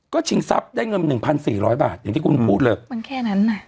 ก็ชิงทรัพย์ได้เงินหนึ่งพันสี่ร้อยบาทอย่างที่คุณพูดเลยมันแค่นั้นน่ะ